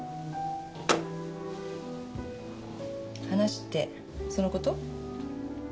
話ってそのこと？